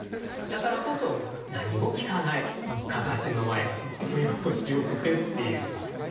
だからこそ何も訊かない案山子の前がとっても居心地よくてっていう。